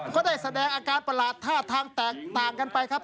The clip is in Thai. ก็ได้แสดงอาการประหลาดท่าทางแตกต่างกันไปครับ